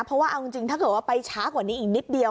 เพราะว่าเอาจริงถ้าเกิดว่าไปช้ากว่านี้อีกนิดเดียว